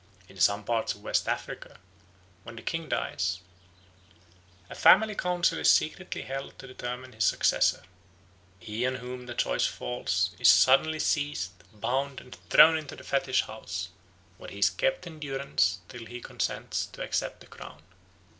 In some parts of West Africa, when the king dies, a family council is secretly held to determine his successor. He on whom the choice falls is suddenly seized, bound, and thrown into the fetish house, where he is kept in durance till he consents to accept the crown.